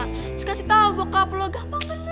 terus kasih tau bokap lo gampang bener